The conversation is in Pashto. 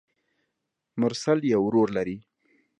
مرسل يو ورور لري.